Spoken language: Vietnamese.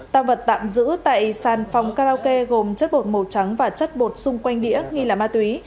tăng vật tạm giữ tại sàn phòng karaoke gồm chất bột màu trắng và chất bột xung quanh đĩa nghi là ma túy